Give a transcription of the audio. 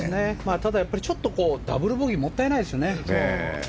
ただ、ダブルボギーはもったいないですよね。